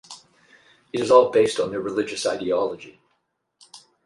It is all based on their religious ideology.